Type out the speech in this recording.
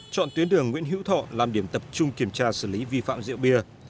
chọn tuyến đường nguyễn hữu thọ làm điểm tập trung kiểm tra xử lý vi phạm rượu bia